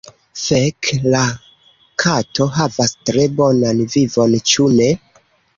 Fek' la kato havas tre bonan vivon, ĉu ne?